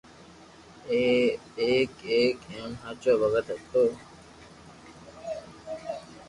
او ايڪ نيڪ ھين ھاچو ڀگت ھتو